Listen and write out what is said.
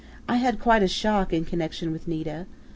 I had quite a shock in connection with Nita.